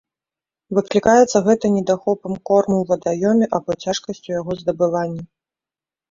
Выклікаецца гэта недахопам корму ў вадаёме або цяжкасцю яго здабывання.